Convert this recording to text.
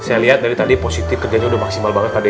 saya lihat dari tadi osi ti kerjanya udah maksimal banget pak dek